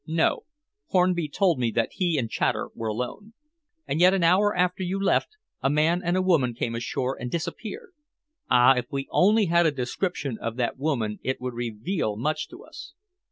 "No. Hornby told me that he and Chater were alone." "And yet an hour after you left a man and a woman came ashore and disappeared! Ah! If we only had a description of that woman it would reveal much to us."